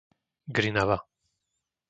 Grinava